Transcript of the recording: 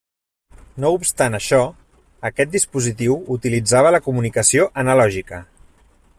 No obstant això, aquest dispositiu utilitzava la comunicació analògica.